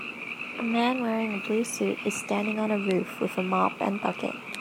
A man wearing a blue suit is standing on a roof with a mop and bucket.